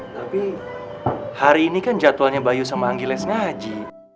tapi hari ini kan jadwalnya bayu sama anggiles ngaji